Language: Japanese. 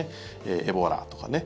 エボラとかね。